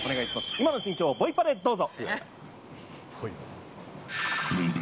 今の心境をボイパでどうぞ。